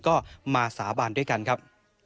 ก็มาสาบานด้วยกันครับ